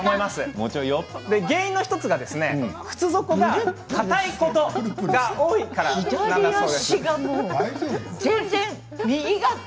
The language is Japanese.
原因の１つが靴底が硬いものが多いからなんです。